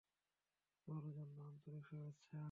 তোর জন্য আন্তরিক শুভেচ্ছা।